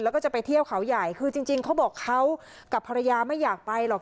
แล้วก็จะไปเที่ยวเขาใหญ่คือจริงเขาบอกเขากับภรรยาไม่อยากไปหรอก